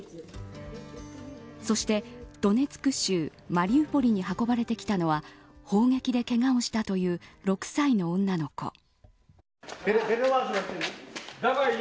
そして、ドネツク州マリウポリに運ばれてきたのは砲撃でけがをしたという６歳の女の子。